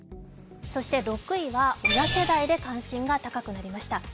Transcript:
６位は親世代で関心が高くなりました。